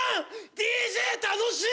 ＤＪ楽しい！